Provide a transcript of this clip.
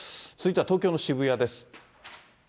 続いては東京の渋谷です。